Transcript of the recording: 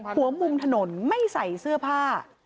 หัวมุมถนนไม่ใส่เสื้อผ้า